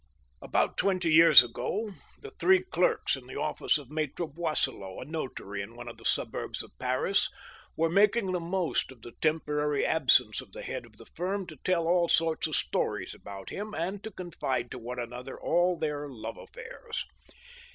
About twenty years ago, the three clerks in the office of Maftre Boisselot, a notary in one of the suburbs of Paris, were making the most of the temporary absence of the head of the firm to tell all sorts of stories about him, and to confide to one another all their love affairs.